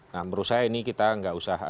nah menurut saya ini kita nggak usah